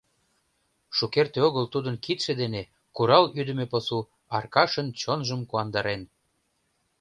Шукерте огыл тудын кидше дене курал-ӱдымӧ пасу Аркашын чонжым куандарен.